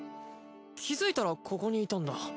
気づいたらここにいたんだ。